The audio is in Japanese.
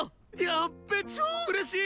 やっべえ超うれしい！